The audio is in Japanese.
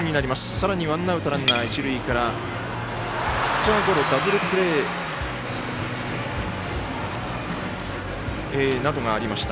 さらにワンアウト、一塁からピッチャーゴロダブルプレーなどがありました。